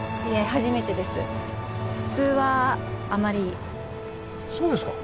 初めてです普通はあまりそうですか？